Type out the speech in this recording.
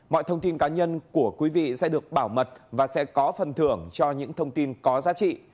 mọi thông tin cá nhân của quý vị sẽ được bảo mật và sẽ có phần thưởng cho những thông tin có giá trị